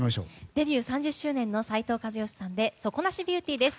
デビュー３０周年の斉藤和義さんで「底無しビューティー」です。